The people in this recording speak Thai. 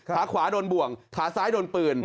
ขาขวาโดนบ่วงขาซ้ายโดนปืน